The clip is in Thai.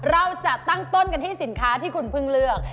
เราจะตั้งต้นกันที่สินค้าที่คุณเพิ่งเลือก